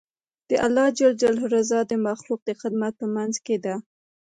د الله رضا د مخلوق د خدمت په منځ کې ده.